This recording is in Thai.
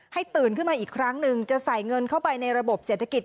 ตื่นขึ้นมาอีกครั้งหนึ่งจะใส่เงินเข้าไปในระบบเศรษฐกิจ